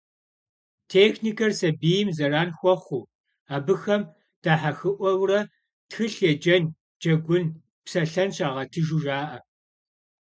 Техникэр сабийм зэран хуэхъуу, абыхэм дахьэхыӀуэурэ тхылъ еджэн, джэгун, псэлъэн щагъэтыжу жаӀэ.